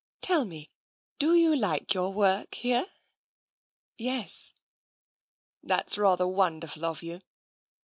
Tell me, do you like your work here? "" Yes." " That's rather wonderful of you.